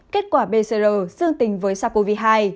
kết quả pcr dương tính với sars cov hai